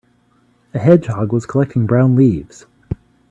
A hedgehog was collecting brown leaves.